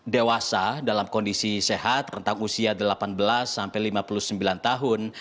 dewasa dalam kondisi sehat rentang usia delapan belas sampai lima puluh sembilan tahun